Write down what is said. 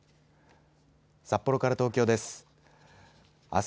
札幌から東京です。